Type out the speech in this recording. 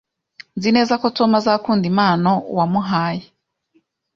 Nzi neza ko Tom azakunda impano wamuhaye